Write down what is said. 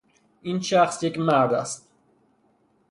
این شخص یک مرد است.